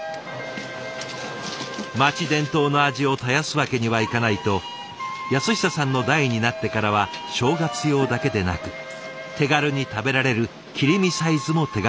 町伝統の味を絶やすわけにはいかないと安久さんの代になってからは正月用だけでなく手軽に食べられる切り身サイズも手がけています。